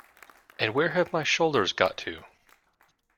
And where have my shoulders got to?